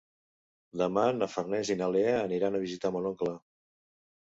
Demà na Farners i na Lea aniran a visitar mon oncle.